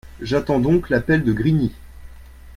J’attends donc l’appel de Grigny.